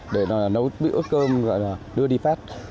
để nó nấu bữa ướt cơm đưa đi phát